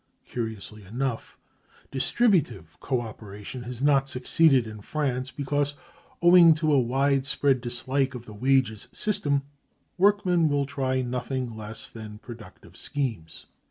Curiously enough, distributive co operation has not succeeded in France, because, owing to a wide spread dislike of the wages system, workmen will try nothing less than productive schemes.